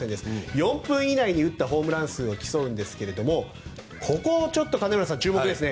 ４分以内に打ったホームラン数を競いますがここをちょっと金村さん注目ですね。